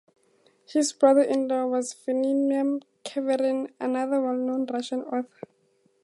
His brother-in-law was Veniamin Kaverin, another well-known Russian author.